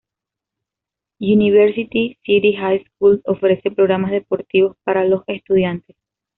University City High School ofrece programas deportivos para los estudiantes.